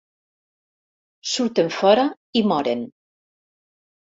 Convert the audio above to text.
Surten fora i moren.